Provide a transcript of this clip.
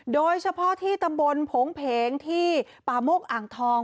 โดยเฉพาะที่ตำบลโผงเพงที่ป่าโมกอ่างทอง